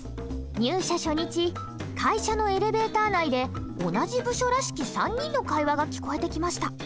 入社初日会社のエレベーター内で同じ部署らしき３人の会話が聞こえてきました。